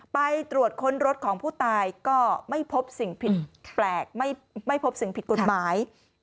ไปตรวจค้นรถของผู้ตายก็ไม่พบสิ่งผิดแปลกไม่พบสิ่งผิดกฎหมาย